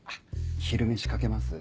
昼飯賭けます？